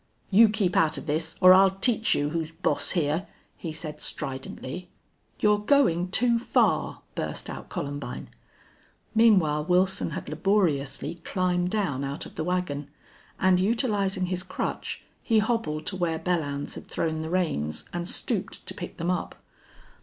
"You keep out of this or I'll teach you who's boss here," he said, stridently. "You're going too far!" burst out Columbine. Meanwhile Wilson had laboriously climbed down out of the wagon, and, utilizing his crutch, he hobbled to where Belllounds had thrown the reins, and stooped to pick them up.